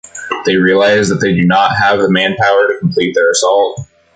They realize that they do not have the manpower to complete their assault.